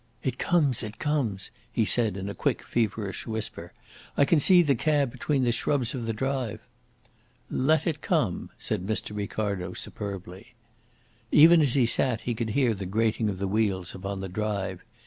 "It comes! it comes!" he said in a quick, feverish whisper. "I can see the cab between the shrubs of the drive." "Let it come!" said Mr. Ricardo superbly. Even as he sat he could hear the grating of wheels upon the drive.